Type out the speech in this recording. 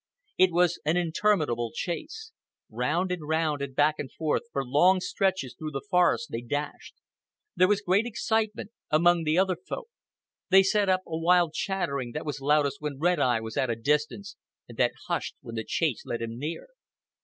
It was an interminable chase. Round and round and back and forth for long stretches through the forest they dashed. There was great excitement among the other Folk. They set up a wild chattering, that was loudest when Red Eye was at a distance, and that hushed when the chase led him near.